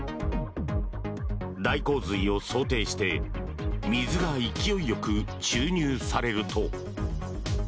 大洪水を想定して水が勢いよく注入されると。